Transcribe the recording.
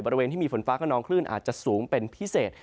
บริเวณที่มีฝนฟ้าเก่าน้อยขึ้นอาจจะสูงเป็นพิเศษ